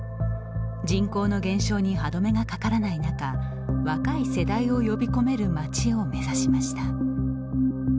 人口の減少に歯止めがかからない中若い世代を呼び込める町を目指しました。